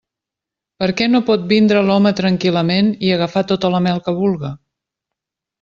Per què no pot vindre l'home tranquil·lament i agafar tota la mel que vulga?